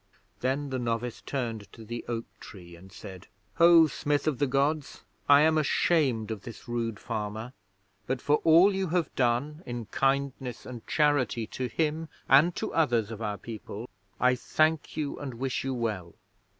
Then the novice turned to the oak tree and said, "Ho, Smith of the Gods! I am ashamed of this rude farmer; but for all you have done in kindness and charity to him and to others of our people, I thank you and wish you well."